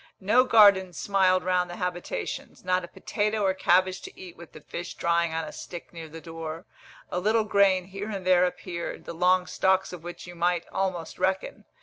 No gardens smiled round the habitations, not a potato or cabbage to eat with the fish drying on a stick near the door. A little grain here and there appeared, the long stalks of which you might almost reckon.